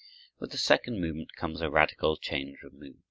With the second movement comes a radical change of mood.